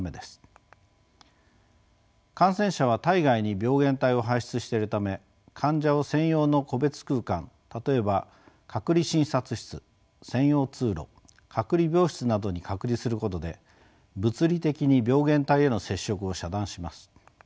感染者は体外に病原体を排出してるため患者を専用の個別空間例えば隔離診察室専用通路隔離病室などに隔離することで物理的に病原体への接触を遮断します。